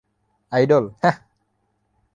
Idol, হ্যা?